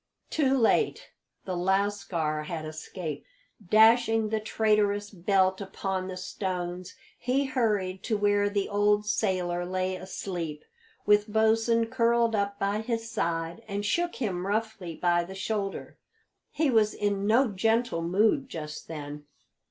Too late! The lascar had escaped! Dashing the traitorous belt upon the stones, he hurried to where the old sailor lay asleep, with Bosin curled up by his side, and shook him roughly by the shoulder. He was in no gentle mood just then.